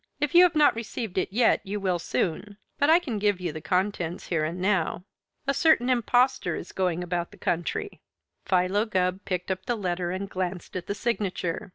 "If you have not received it yet you will soon, but I can give you the contents here and now. A certain impostor is going about the country " Philo Gubb picked up the letter and glanced at the signature.